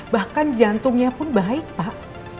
bahkan jantungnya pun baik pak